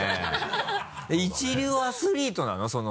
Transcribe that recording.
一流アスリートなの？